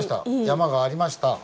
山がありました。